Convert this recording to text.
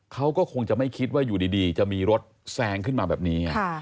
เขาก็คงจะไม่คิดว่าอยู่ดีจะมีรถแซงขึ้นมาแบบนี้